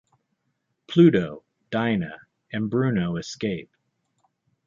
Pluto, Dina, and Bruno escape.